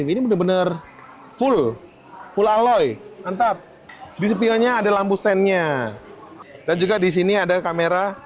ini bener bener full full aloy mantap bisi vio nya ada lampu sennya dan juga di sini ada kamera